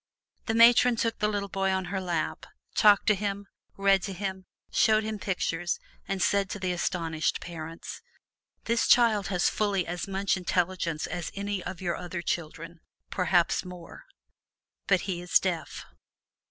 The Matron took the little boy on her lap, talked to him, read to him, showed him pictures and said to the astonished parents, "This child has fully as much intelligence as any of your other children, perhaps more but he is deaf!"